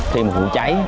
tìm hũ cháy